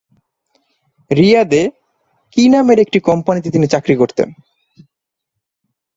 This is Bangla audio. রিয়াদে কি নামের একটি কোম্পানিতে তিনি চাকরি করতেন?